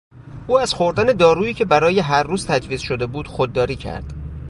او از خوردن دارویی که برای هر روز تجویز شده بود خودداری کرد.